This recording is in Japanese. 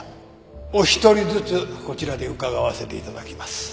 お一人ずつこちらで伺わせていただきます。